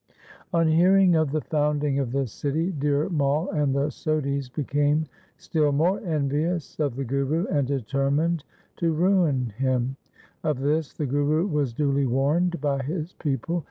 On hearing of the founding of the city, Dhir Mai and the Sodhis became still more envious of the Guru, and determined to ruin him. Of this the Guru was duly warned by his people.